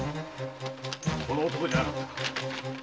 この男じゃなかったか？